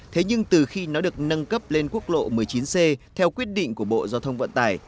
thế nhưng từ khi nó được nâng cấp lên quốc lộ một mươi chín c theo quyết định của bộ giao thông vận tải